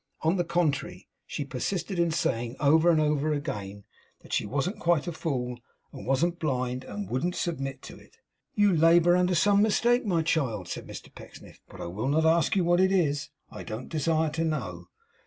On the contrary, she persisted in saying, over and over again, that she wasn't quite a fool, and wasn't blind, and wouldn't submit to it. 'You labour under some mistake, my child!' said Mr Pecksniff, 'but I will not ask you what it is; I don't desire to know.